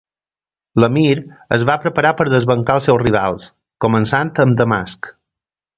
L'emir es va preparar per desbancar als seus rivals, començant amb Damasc.